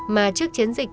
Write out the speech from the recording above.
mà trước chiến dịch